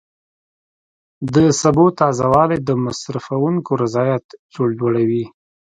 د سبو تازه والی د مصرفونکو رضایت لوړوي.